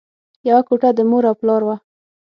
یوه کوټه د مور او پلار وه